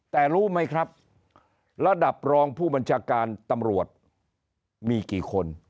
แต่รู้ไหมครับระดับรองผู้บัญชาการตำรวจมีกี่คน